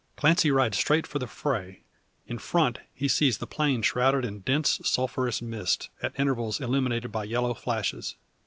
Clancy rides straight for the fray. In front he sees the plain shrouded in dense sulphureous mist, at intervals illumined by yellow flashes.